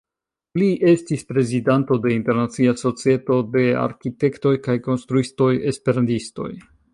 Li estis prezidanto de Internacia Societo de Arkitektoj kaj Konstruistoj Esperantistoj.